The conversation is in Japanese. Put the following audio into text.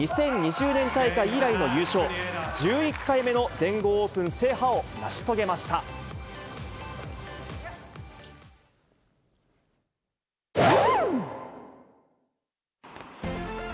２０２０年大会以来の優勝、１１回目の全豪オープン制覇を成し遂げました。